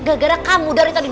gara gara kamu dari tadi